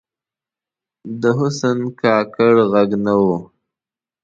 د حسن کاکړ ږغ نه و